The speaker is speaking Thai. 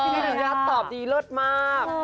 สุดยอดดีตอบดีเลิศมาก